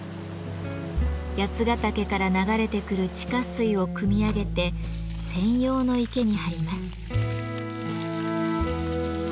八ヶ岳から流れてくる地下水をくみ上げて専用の池に張ります。